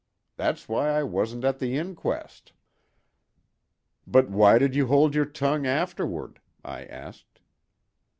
That's why I wasn't at the inquest." "But why did you hold your tongue afterward?" I asked.